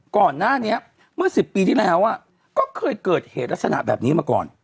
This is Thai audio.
ก่อนหน้านี้เมื่อ๑๐ปีที่แล้วก็เคยเกิดเหตุลักษณะแบบนี้มาก่อน